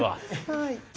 はい。